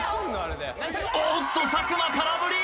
おっと佐久間空振り！